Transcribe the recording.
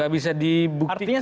gak bisa dibuktikan